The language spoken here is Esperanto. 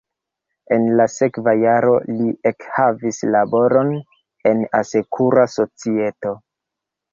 En la sekva jaro li ekhavis laboron en asekura societo.